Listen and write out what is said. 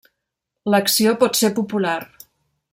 L'acció pot ser popular.